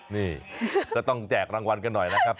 นี่ก็ต้องแจกรางวัลกันหน่อยนะครับ